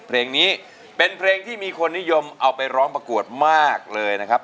เพลงนี้เป็นเพลงที่มีคนนิยมเอาไปร้องประกวดมากเลยนะครับ